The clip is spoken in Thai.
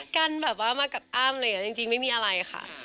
กันแบบว่ามากับอ้ำอะไรอย่างนี้จริงไม่มีอะไรค่ะ